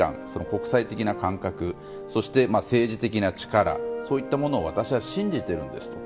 国際的な感覚そして政治的な力といったものを私は信じているんですと。